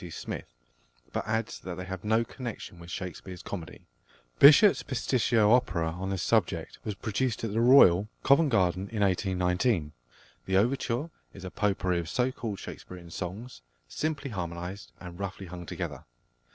C. Smith, but adds that they have no connection with Shakespeare's comedy. +Bishop's+ pasticcio opera on this subject was produced at the Royal, Covent Garden, in 1819. The overture is a potpourri of so called Shakespearian songs, simply harmonised and roughly hung together.